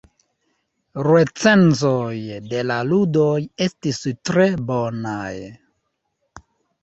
Recenzoj de la ludoj estis tre bonaj.